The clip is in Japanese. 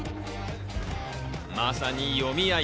まさに読み合い。